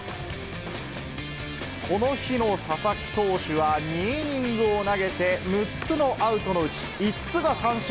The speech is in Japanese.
この日の佐々木投手は、２イニングを投げて６つのアウトのうち、５つが三振。